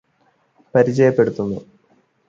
പരിചയപ്പെടുത്തുന്നു